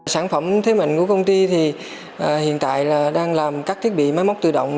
sản phẩm thế mạnh của công ty thì hiện tại là đang làm các thiết bị máy móc tự động